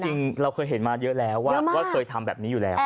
จริงเราเคยเห็นมาเยอะแล้วว่าเคยทำแบบนี้อยู่แล้ว